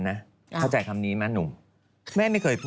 เข้าใจคำนี้ไหมหนุ่ม